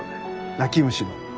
泣き虫の。